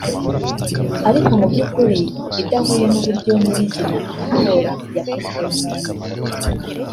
ariko mu by’ukuri idahuye n’uburyo nyirizina amatora yakozwemo